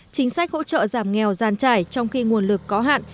chính sách hỗ trợ giảm nghèo gian trải trong khi nguồn lực có hạn